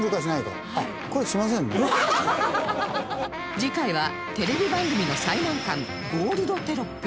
次回はテレビ番組の最難関ゴールドテロップ